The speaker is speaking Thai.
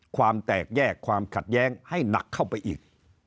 ความแตกแยกความขัดแย้งให้หนักเข้าไปอีก